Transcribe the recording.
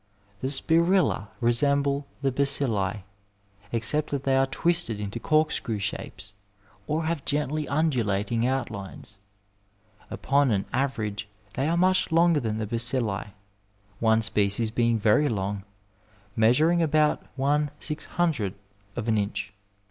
The spirilla resemble the badlli, except that they are twisted into corkscrew shapes, or have gendy undulating outlines. Upon an average they are much longer than the bacilli, one species being very long, measuring about 1 000 of an inch.